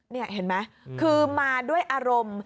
นี่เห็นไหมคือมาด้วยอารมณ์